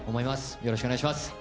よろしくお願いします。